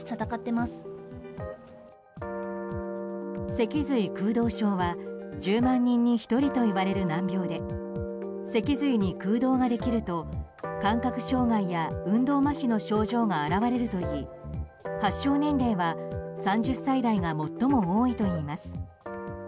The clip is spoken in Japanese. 脊髄空洞症は１０万人に１人といわれる難病で脊髄に空洞ができると感覚障害や運動まひの症状が現れるといい発症年齢は３０歳代が最も多いといいます。